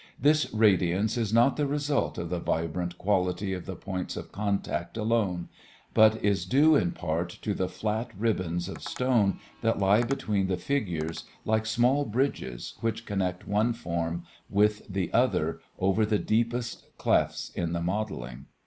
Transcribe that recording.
This radiance is not the result of the vibrant quality of the points of contact alone, but is due in part to the flat ribbands of stone that lie between the figures like small bridges which connect one form with the other over the deepest clefts in the modeling.